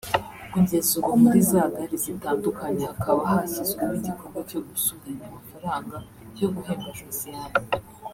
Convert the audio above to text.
Kugeza ubu muri za gare zitandukanye hakaba hashyizweho igikorwa cyo gusuganya amafaranga yo guhemba Josiane